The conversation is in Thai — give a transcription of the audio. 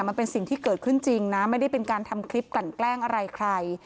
มันเป็นสิ่งที่เกิดขึ้นจริงนะไม่ได้เป็นการทำคลิปกลั่นแกล้งอะไรใคร